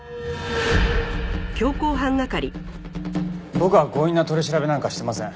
僕は強引な取り調べなんかしてません。